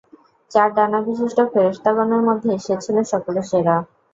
চার ডানাবিশিষ্ট ফেরেশতাগণের মধ্যে সে ছিল সকলের সেরা।